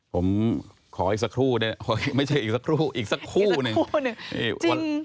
ผมขออีกสักครู่เนี่ยไม่ใช่อีกสักครู่อีกสักคู่หนึ่ง